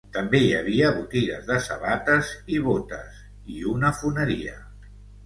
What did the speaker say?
També hi havia botigues de sabates i botes, i una foneria..